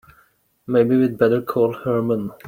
Maybe we'd better call Herman.